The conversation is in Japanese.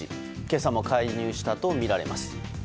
今朝も介入したとみられます。